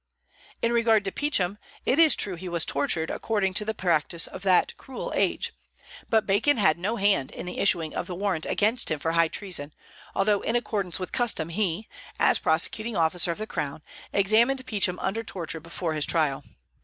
In regard to Peacham, it is true he was tortured, according to the practice of that cruel age; but Bacon had no hand in the issuing of the warrant against him for high treason, although in accordance with custom he, as prosecuting officer of the Crown, examined Peacham under torture before his trial.